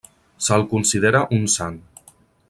Se'l considera un sant.